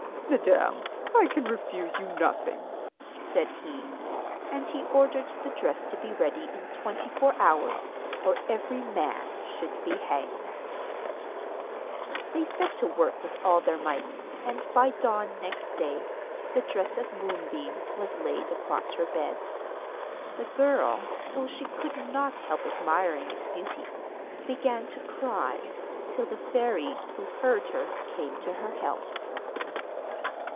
'Madam, I can refuse you nothing,' said he; and he ordered the dress to be ready in twenty four hours, or every man should be hanged. They set to work with all their might, and by dawn next day, the dress of moonbeams was laid across her bed. The girl, though she could not help admiring its beauty, began to cry, till the fairy, who heard her, came to her help.